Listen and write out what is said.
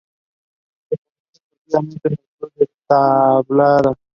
Se formó deportivamente en el Club La Tablada.